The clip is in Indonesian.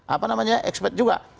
apa namanya ekspet juga